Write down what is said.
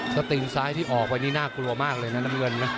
สติงซ้ายที่ออกไปนี่น่ากลัวมากเลยนะน้ำเงินนะ